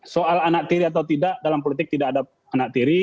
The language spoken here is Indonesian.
soal anak tiri atau tidak dalam politik tidak ada anak tiri